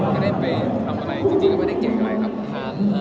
ไม่ได้ไปทำอะไรจริงก็ไม่ได้เก่งอะไรครับ